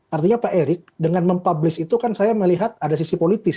artinya pak erik dengan mempublis itu kan saya melihat ada sisi politis